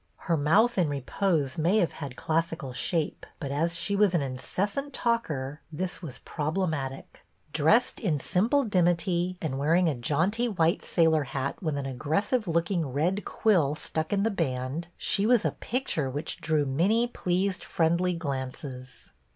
Her mouth in rej^ose may have had classical shape, but, as she was an incessant talker, this was problematic. Dressed in simple I 4 BETTY BAIRD dimity, and wearing a jaunty white sailor hat with an aggressive looking red quill stuck in the band, she was a picture which drew many pleased, friendly glances.